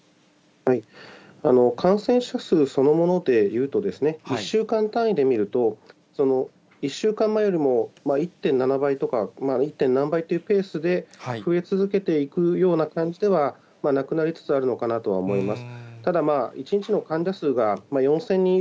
感染者数そのもので言うと、１週間単位で見ると、１週間前よりも１．７倍とか１でんなんばいという、１．何倍というケースで増え続けていくような感じではなくなりつつあるのかなとは思います。